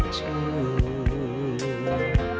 เชื่อ